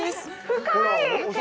深い！